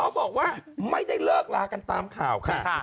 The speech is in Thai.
บอกว่าไม่ได้เลิกลากันตามข่าวค่ะ